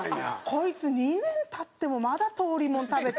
こいつ２年経ってもまだ通りもん食べて。